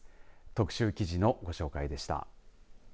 特集記事のご紹介でした。